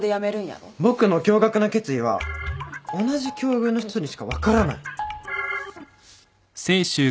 僕の驚愕の決意は同じ境遇の人にしか分からない。